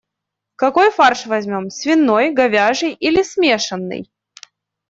Какой фарш возьмём - свиной, говяжий или смешанный?